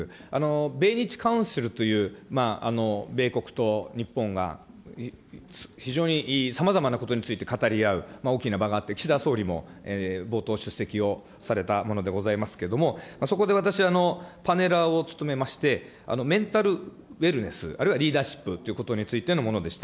米日カウンスルという米国と日本が非常にさまざまなことについて語り合う大きな場があって、岸田総理も冒頭出席をされたものでございますけれども、そこで私はパネラーを務めまして、メンタルウェルネス、あるいはリーダーシップということについてのものでした。